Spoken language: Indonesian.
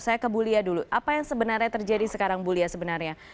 saya kebulia dulu apa yang sebenarnya terjadi sekarang bulia sebenarnya